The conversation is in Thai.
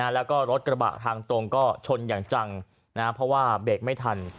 แล้วก็รถกระบะทางตรงก็ชนอย่างจังเพราะว่าเบรกไม่ทัน